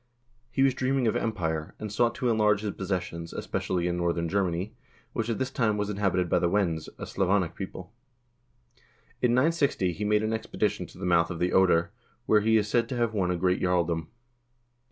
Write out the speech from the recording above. He was dream ing of empire, and sought to enlarge his possessions, especially in northern Germany, which at this time was inhabited by the Wends, a Slavonic people. In 960 he made an expedition to the mouth of the Oder, where he is said to have won a great jarldom.